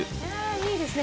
いいですね